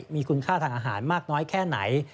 มีคุณค่าทางอาหารมากน้อยแค่ไหน